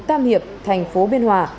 tam hiệp thành phố biên hòa